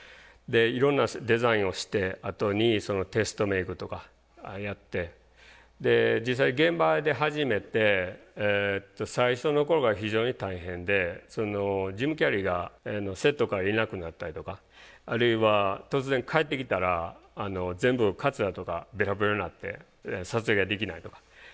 いろんなデザインをしたあとにテストメイクとかやって実際現場で始めて最初の頃が非常に大変でジム・キャリーがセットからいなくなったりとかあるいは突然帰ってきたら全部カツラとかベロベロになって撮影ができないとか。